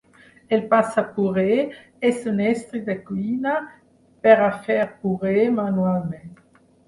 El passapuré és un estri de cuina per a fer puré manualment.